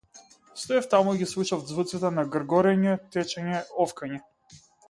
Стоев таму и ги слушав звуците на гргорење, течење, офкање.